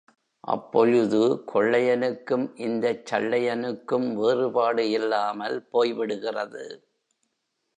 அப்பொழுது கொள்ளையனுக்கும் இந்தச் சள்ளையனுக்கும் வேறுபாடு இல்லாமல் போய்விடுகிறது.